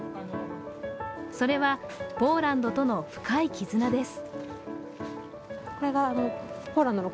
それはポーランドとの深い絆です。